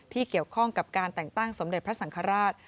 เกี่ยวข้องกับการแต่งตั้งสมเด็จพระสังฆราช